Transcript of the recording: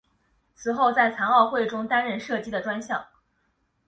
此后在残奥会中承担射击的专项。